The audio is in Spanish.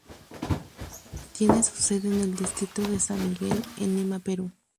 Tiene su sede en el distrito de San Miguel, en Lima, Perú.